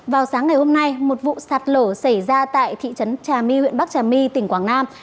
vào sáng ngày hôm nay một vụ sạt lở xảy ra tại thị trấn trà my huyện bắc trà my tỉnh quảng nam